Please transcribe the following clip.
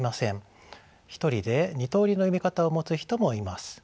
１人で２通りの読み方を持つ人もいます。